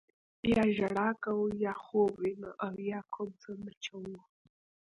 یا ژړا کوو او یا خوب وینو یا کوم څه مچوو.